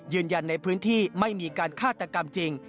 ยืนยันในพื้นที่ไม่มีการฆาตกรรมจริง